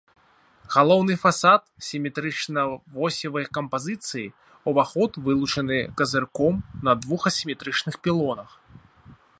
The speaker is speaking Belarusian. Галоўны фасад сіметрычна-восевай кампазіцыі, уваход вылучаны казырком на двух асіметрычных пілонах.